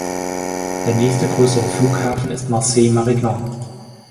Der nächste größere Flughafen ist Marseille-Marignane.